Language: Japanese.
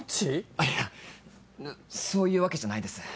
あっいやそういうわけじゃないです。